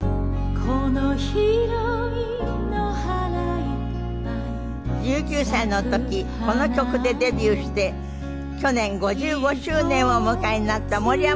『この広い野原いっぱい』１９歳の時この曲でデビューして去年５５周年をお迎えになった森山良子さんです。